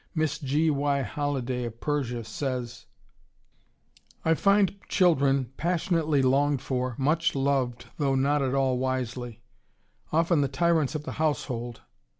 Miss G. Y. Holliday of Persia says, I find children passionately longed for, much loved, though not at all wisely; often the tyrants of the household.